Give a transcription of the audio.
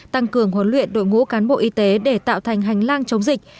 tăng cường huấn luyện đội ngũ cán bộ y tế để tạo thành hành lang chống dịch